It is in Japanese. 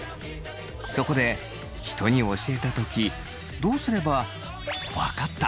そこで人に教えた時どうすれば分かった！